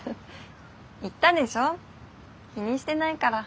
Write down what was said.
言ったでしょ気にしてないから。